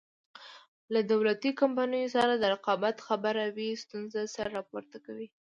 له دولتي کمپنیو سره د رقابت خبره وي ستونزې سر راپورته کوي.